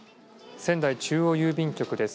仙台中央郵便局です。